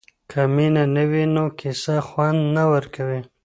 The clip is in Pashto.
که مینه نه وي نو کیسه خوند نه ورکوي.